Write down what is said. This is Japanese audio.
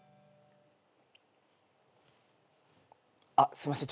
あっすいません